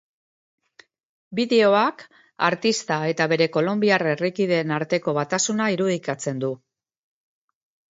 Bideoak artista eta bere kolonbiar herrikideen arteko batasuna irudikatzen du.